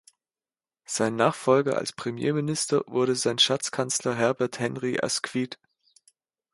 Sein Nachfolger als Premierminister wurde sein Schatzkanzler Herbert Henry Asquith.